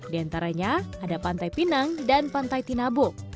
di antaranya ada pantai pinang dan pantai tinabo